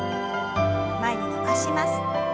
前に伸ばします。